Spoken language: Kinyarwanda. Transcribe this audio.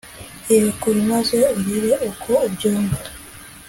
Irekure maze urire uko ubyumva